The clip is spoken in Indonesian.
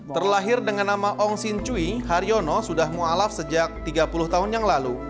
terlahir dengan nama ong sin cui haryono sudah mu'alaf sejak tiga puluh tahun yang lalu